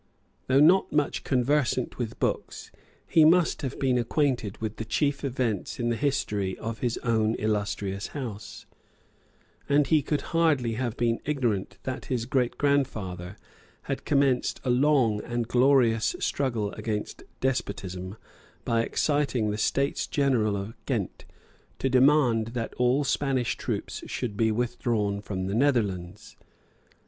Though not much conversant with books, he must have been acquainted with the chief events in the history of his own illustrious House; and he could hardly have been ignorant that his great grandfather had commenced a long and glorious struggle against despotism by exciting the States General of Ghent to demand that all Spanish troops should be withdrawn from the Netherlands.